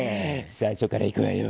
最初から行くわよ。